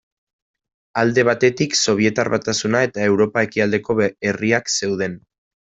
Alde batetik Sobietar Batasuna eta Europa ekialdeko herriak zeuden.